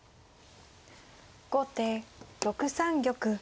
後手６三玉。